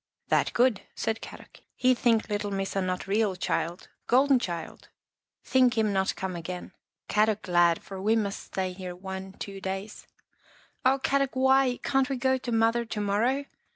" That good," said Kadok. " He think little Missa not real child. Golden child. Think him IOI 102 Our Little Australian Cousin not come again. Kadok glad, for we must stay here one, two days." " Oh, Kadok, why? Can't we go to Mother to morrow?"